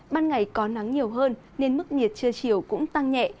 ban ngày có nắng nhiều hơn nên mức nhiệt trưa chiều cũng tăng nhẹ